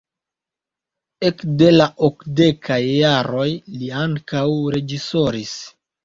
Ekde la okdekaj jaroj li ankaŭ reĝisoris.